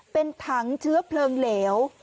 เป็นถังเชื้อเพลิงเหลว